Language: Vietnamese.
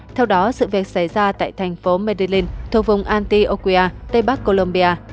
theo đó sự việc xảy ra tại thành phố medellín thuộc vùng antioquia tây bắc colombia